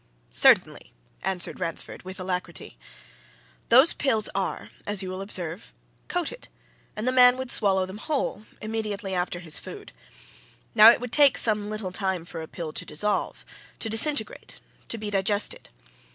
"Certainly!" answered Ransford, with alacrity. "Those pills are, as you will observe, coated, and the man would swallow them whole immediately after his food. Now, it would take some little time for a pill to dissolve, to disintegrate, to be digested.